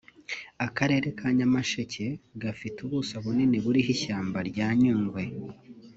Akarere ka Nyamasheke gafite ubuso bunini buriho ishyamba rya Nyungwe